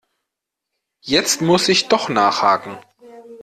Jetzt muss ich doch nachhaken.